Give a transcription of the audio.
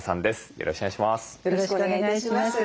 よろしくお願いします。